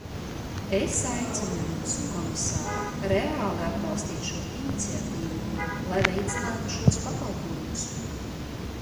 Es aicinu jūs, komisār, reāli atbalstīt šo iniciatīvu, lai veicinātu šos pakalpojumus.